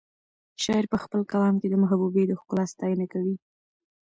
شاعر په خپل کلام کې د محبوبې د ښکلا ستاینه کوي.